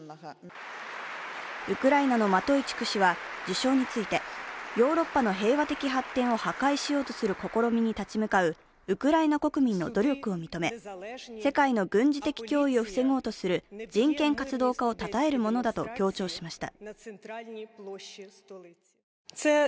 ウクライナのマトイチュク氏は受賞についてヨーロッパの平和的発展を破壊しようとする試みに立ち向かうウクライナ国民の努力を認め、世界の軍事的脅威を防ごうとする人権活動家をたたえるものだと強調しました。